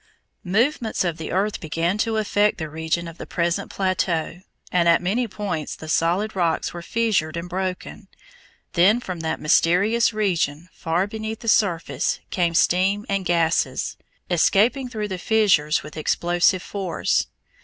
Movements of the earth began to affect the region of the present plateau, and at many points the solid rocks were fissured and broken. Then from that mysterious region far beneath the surface came steam and gases, escaping through the fissures with explosive force.